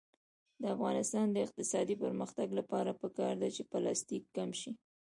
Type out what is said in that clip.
د افغانستان د اقتصادي پرمختګ لپاره پکار ده چې پلاستیک کم شي.